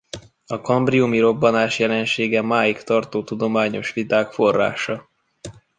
A kambriumi robbanás jelensége máig tartó tudományos viták forrása.